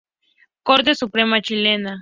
Corte Suprema chilena.